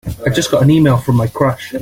I just got an e-mail from my crush!